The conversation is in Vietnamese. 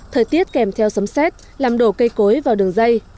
thời tiết kèm theo sấm xét làm đổ cây cối vào đường dây